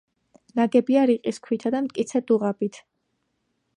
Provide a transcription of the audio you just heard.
ნაგებია რიყის ქვითა და მტკიცე დუღაბით.